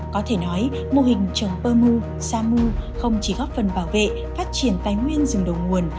có thể nói mô hình trồng bơ mu sa mu không chỉ góp phần bảo vệ phát triển tái nguyên rừng đồng nguồn